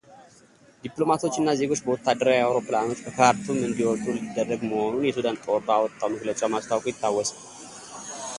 ዲፕሎማቶች እና ዜጎች በወታደራዊ አውሮፕላኖች ከካርቱም እንዲወጡ ሊደረግ መሆኑን የሱዳን ጦር ባወጣው መግለጫው ማስታወቁ ይታወሳል።